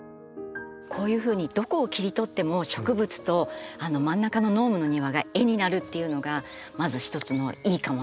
こういうふうにどこを切り取っても植物とあの真ん中のノームの庭が絵になるっていうのがまず一つの「いいかも！」